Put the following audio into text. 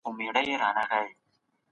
زه هیڅکله په خپل مسلک کي سستي نه کوم.